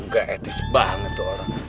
gak etis banget tuh orang